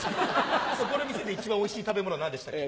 そこの店で一番おいしい食べ物は何でしたっけ？